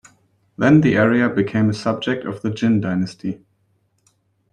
Then the area became a subject of the Jin Dynasty.